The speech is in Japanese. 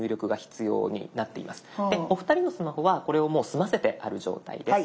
お二人のスマホはこれをもう済ませてある状態です。